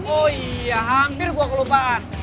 oh iya hampir dua kelupaan